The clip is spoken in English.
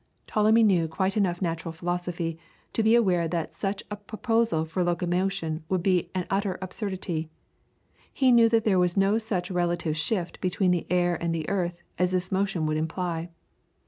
Ptolemy knew quite enough natural philosophy to be aware that such a proposal for locomotion would be an utter absurdity; he knew that there was no such relative shift between the air and the earth as this motion would imply.